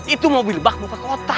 itu mobil bak mau ke kota